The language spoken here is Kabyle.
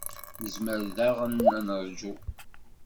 Nezmer daɣen ad neṛju.